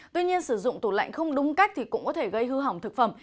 tuy nhiên sử dụng tủ lạnh không đúng cách thì cũng có thể gây hư hỏng thực phẩm